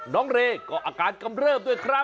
เรย์ก็อาการกำเริบด้วยครับ